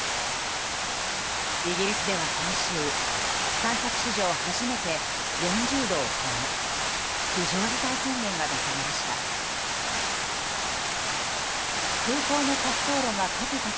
イギリスでは今週観測史上初めて４０度を超え非常事態宣言が出されました。